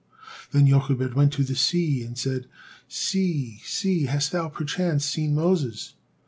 Then Jochebed went to the sea and said, "Sea, sea, hast thou perchance seen Moses?"